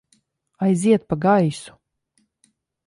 Aiziet pa gaisu!